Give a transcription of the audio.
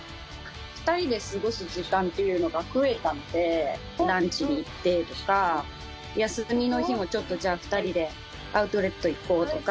２人で過ごす時間っていうのが増えたので、ランチに行ってとか、休みの日も、ちょっとじゃあ２人でアウトレット行こうとか。